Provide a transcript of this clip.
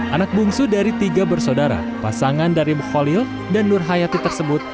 anak bungsu dari tiga bersaudara pasangan dari mukholil dan nur hayati tersebut